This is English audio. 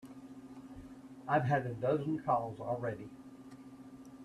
I've had a dozen calls already.